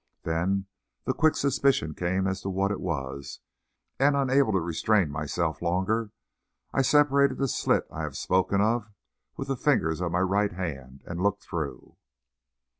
Then the quick suspicion came as to what it was, and unable to restrain myself longer I separated the slit I have spoken of with the fingers of my right hand, and looked through.